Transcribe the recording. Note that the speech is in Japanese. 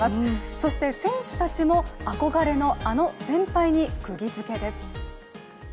そして、選手たちも憧れのあの先輩にくぎづけです。